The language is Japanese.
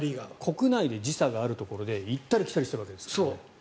国内で時差があるところに行ったり来たりするわけですからね。